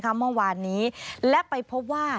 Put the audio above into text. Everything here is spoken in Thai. เมื่อวานนี้และไปพบว่า